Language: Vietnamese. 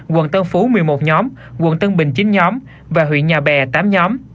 quận tân phú một mươi một nhóm quận tân bình chín nhóm và huyện nhà bè tám nhóm